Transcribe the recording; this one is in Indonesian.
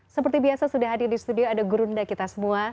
seperti biasa sudah hadir di studio ada gurunda kita semua